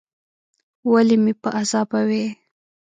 ولي مې په عذابوې ؟